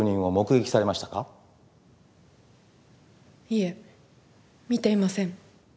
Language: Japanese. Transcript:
いえ見ていません。